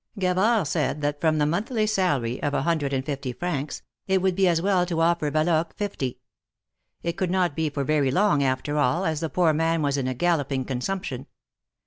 Gavard said that from the monthly salary of a hundred and fifty francs, it would be as well to offer Valoque fifty. It could not be for very long after all, as the poor man was in a galloping consumption.